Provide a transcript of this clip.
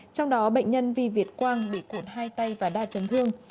trong đó bệnh nhân vi việt quang bị cụt hai tay và đa chấn thương